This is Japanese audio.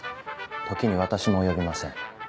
時に私も及びません。